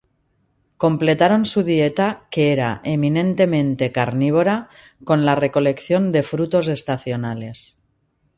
Completaron su dieta, que era eminentemente carnívora, con la recolección de frutos estacionales.